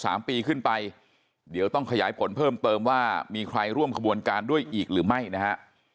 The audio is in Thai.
สามปีขึ้นไปเดี๋ยวต้องขยายผลเพิ่มเติมว่ามีใครร่วมขบวนการด้วยอีกหรือไม่นะฮะ